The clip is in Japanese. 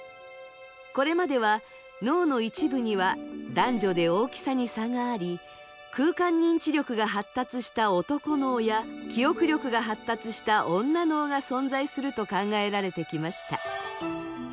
これまでは脳の一部には男女で大きさに差があり空間認知力が発達した男脳や記憶力が発達した女脳が存在すると考えられてきました。